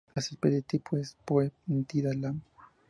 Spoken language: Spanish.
La especie tipo es: "Poa nitida" Lam.